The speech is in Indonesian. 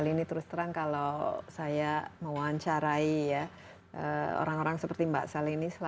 sel ini terus terang kalau saya mewawancarai orang orang seperti mbak sel ini